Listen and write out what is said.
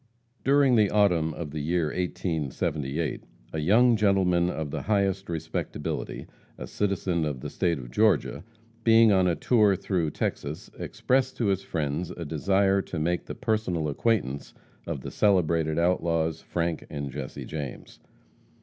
During the autumn of the year 1878, a young gentleman of the highest respectability, a citizen of the State of Georgia, being on a tour through Texas, expressed to his friends a desire to make the personal acquaintance of the celebrated outlaws, Frank and Jesse James.